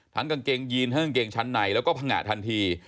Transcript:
กางเกงยีนทั้งกางเกงชั้นในแล้วก็พังงะทันที